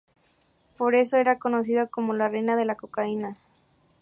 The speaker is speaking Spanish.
Por eso era conocida como la reina de la cocaína.